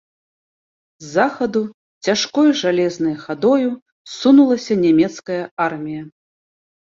З захаду цяжкой жалезнай хадою сунулася нямецкая армія.